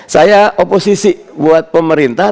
saya oposisi buat pemerintah